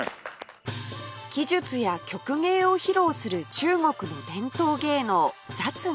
奇術や曲芸を披露する中国の伝統芸能雑技